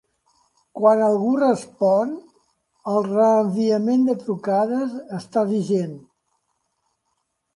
Quan algú respon, el reenviament de trucades està vigent.